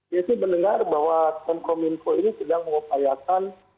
saya sih mendengar bahwa temkom info ini sedang mengupayakan